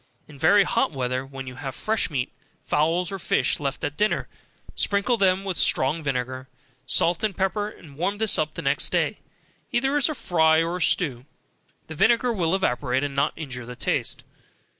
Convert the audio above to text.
In very hot weather, when you have fresh meat, fowls, or fish left at dinner, sprinkle them with strong vinegar, salt and pepper, warm this up the next day, either as a fry or stew, the vinegar will evaporate, and not injure the taste.